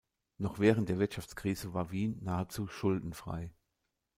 Noch während der Weltwirtschaftskrise war Wien nahezu schuldenfrei.